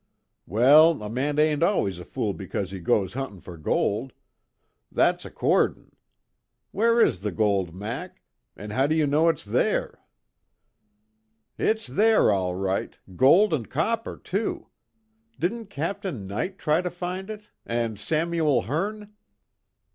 "Well, a man ain't always a fool because he goes huntin' for gold. That's accordin'. Where is this gold, Mac? An' how do you know it's there?" "It's there, all right gold and copper, too. Didn't Captain Knight try to find it? And Samuel Hearne?"